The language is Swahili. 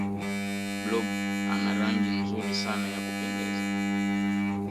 blob ana rangi nzuri sana ya kupendeza